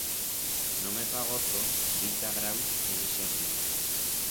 No me fa gozo d'ir ta Graus en ixos días.